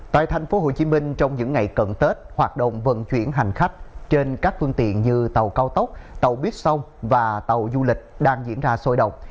tại tp hcm trong những ngày cận tết hoạt động vận chuyển hành khách trên các phương tiện như tàu cao tốc tàu bít sông và tàu du lịch đang diễn ra sôi động